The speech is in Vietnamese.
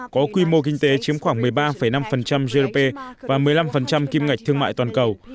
có quy mô kinh tế chiếm khoảng một mươi ba năm gdp và một mươi năm kim ngạch thương mại toàn cầu